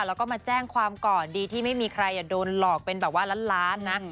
แล้วก็มาแจ้งความก่อนดีที่ไม่มีใครโดนหลอกเป็นแบบว่าล้านนะ